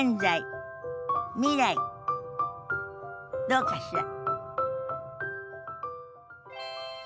どうかしら？